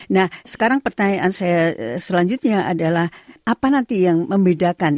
nah sekarang pertanyaan saya selanjutnya adalah apa nanti yang membedakan